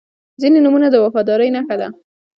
• ځینې نومونه د وفادارۍ نښه ده.